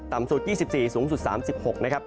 สุด๒๔สูงสุด๓๖นะครับ